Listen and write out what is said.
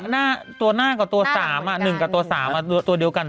หน้าตัวหน้ากับตัวสามตัวเดียวกัน